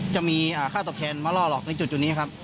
จะมีค่าตอบแทนมาล่อหลอกในจุดนี้ครับ